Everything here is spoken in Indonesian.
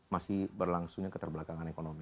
masih berlangsungnya keterbelakangan ekonomi